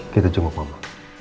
kita jenguk mama